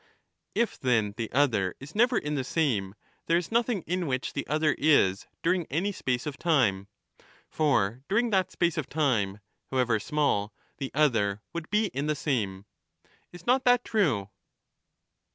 If then the other is never in the same, there is nothing in which the other is during any space of time ; for during that space of time, however small, the other would be in the same. Is'not that true?